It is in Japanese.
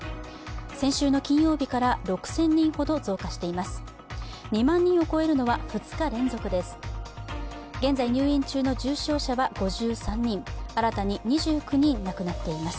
先週の金曜日から６０００人ほど増加しています。